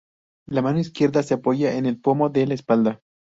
La mano izquierda se apoya en el pomo de la espada.